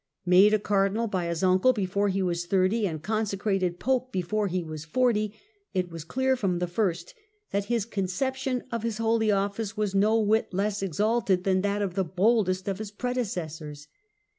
Made a Cardinal by his uncle before he was thirty, and consecrated Pope before he was forty, it was clear from the first that his conception of his holy office was no whit less exalted than that of the boldest of his predecessors.